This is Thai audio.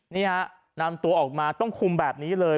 นี่ฮะนำตัวออกมาต้องคุมแบบนี้เลย